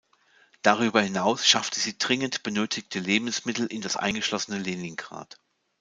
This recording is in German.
Darüber hinaus schaffte sie dringend benötigte Lebensmittel in das eingeschlossene Leningrad.